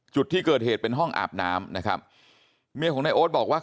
จุดที่เกิดเหตุเป็นห้องอาบน้ำนะครับเมียของนายโอ๊ตบอกว่า